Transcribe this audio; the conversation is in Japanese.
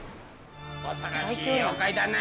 「恐ろしい妖怪だな」